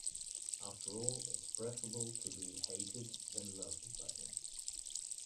After all, it is preferable to be hated than loved by him.